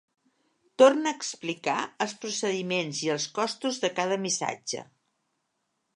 Torna a explicar els procediments i els costos de cada missatge.